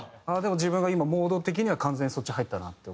自分が今モード的には完全にそっち入ったなって。